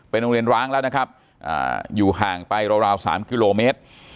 โรงเรียนร้างแล้วนะครับอยู่ห่างไปราว๓กิโลเมตร